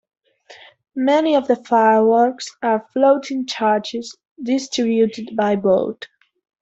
Many of the fireworks are floating charges distributed by boat.